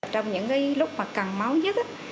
trong những lúc mà cần máu nhất